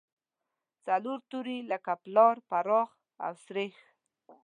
څلور توري لکه پلار، پراخ او سرېښ.